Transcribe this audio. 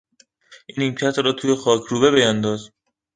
این نیمکت را توی خاکروبه بیانداز.